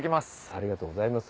ありがとうございます。